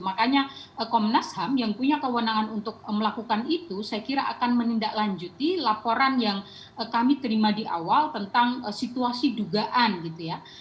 makanya komnas ham yang punya kewenangan untuk melakukan itu saya kira akan menindaklanjuti laporan yang kami terima di awal tentang situasi dugaan gitu ya